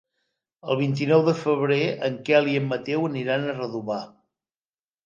El vint-i-nou de febrer en Quel i en Mateu aniran a Redovà.